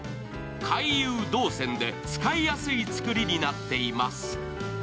回遊動線で使いやすい作りになっています。